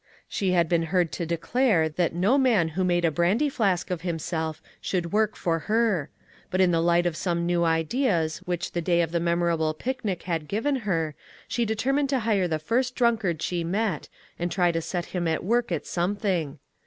She had been heard to declare that no man who made a brandy flask of himself should work for her; but in the light of some new ideas, which the day of the memorable picnic had given her, she had determined to hire the first drunkard she met, and try to set him at work at something.